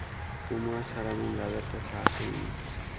কুমু আজ সারাদিন দাদার কাছে আসেই নি।